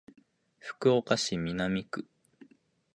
福岡市南区